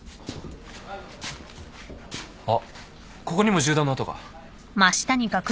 あっここにも銃弾の跡が。